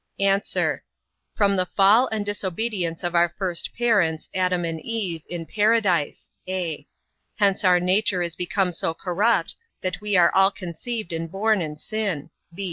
A. From the fall and disobedience of our first parents, Adam and Eve, in Paradise; (a) hence our nature is become so corrupt, that we are all conceived and born in sin.